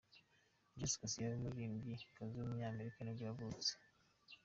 Jessica Sierra, umuririmbyikazi w’umunyamerika nibwo yavutse.